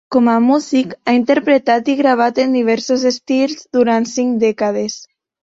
Com a músic, ha interpretat i gravat en diversos estils durant cinc dècades.